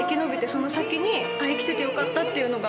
その先に生きててよかったって